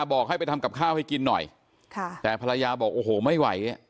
บอกให้ไปทำกับข้าวให้กินหน่อยค่ะแต่ภรรยาบอกโอ้โหไม่ไหว